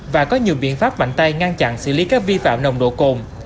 và có nhiều biện pháp mạnh tay ngăn chặn xử lý các vi phạm nồng độ cồn